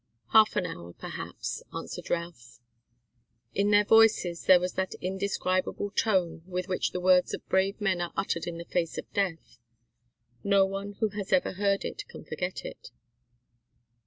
"Half an hour, perhaps," answered Routh. In their voices there was that indescribable tone with which the words of brave men are uttered in the face of death. No one who has ever heard it can forget it.